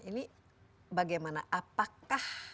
ini bagaimana apakah